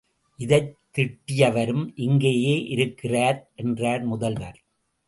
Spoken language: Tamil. இதைத் திட்டியவரும் இங்கேயே இருக்கிறார் என்றார் முதல்வர்.